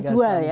aksi jual ya